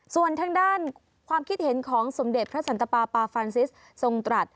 ส่วนทางด้านความคิดเห็นของสมเด็จพระสันตปาปาฟานซิสทรงตรัส